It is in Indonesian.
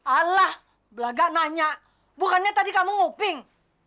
alah belagak nanya bukannya tadi kamu nguping